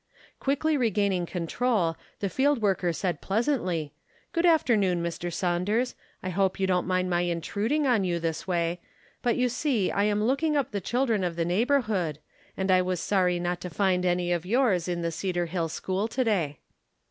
Quickly regain ing control, the field worker said pleasantly, "Good afternoon, Mr. Saunders. I hope you don't mind my intruding on you this way, but you see I am looking up the children of the neighborhood, and I was sorry not to find any of yours in the *Cedarhill school to day.'